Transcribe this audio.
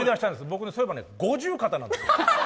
僕ね、そういえば五十肩なんです。